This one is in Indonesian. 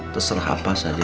terserah apa saja